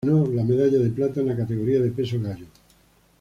Ganó la medalla de plata en la categoría de peso gallo.